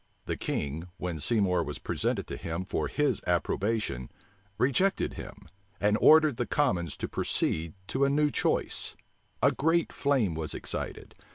The king, when Seymour was presented to him for his approbation, rejected him, and ordered the commons to proceed to a new choice. A great flame was excited.